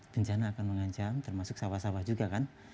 bencana akan mengancam termasuk sawah sawah juga kan